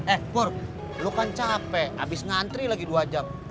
eh kur lo kan capek habis ngantri lagi dua jam